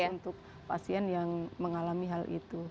untuk pasien yang mengalami hal itu